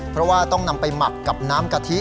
เพราะว่าต้องนำไปหมักกับน้ำกะทิ